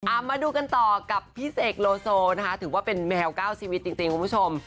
เอามาดูกันต่อกับพี่เสกโลโซนะคะถือว่าเป็นแมวเก้าชีวิตจริงคุณผู้ชม